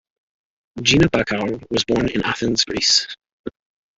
Gina Bachauer was born in Athens, Greece.